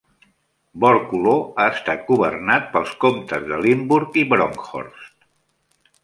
Borculo ha estat governat pels comptes de Limburg i Bronkhorst.